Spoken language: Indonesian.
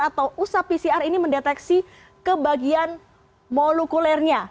atau usap pcr ini mendeteksi ke bagian molekulernya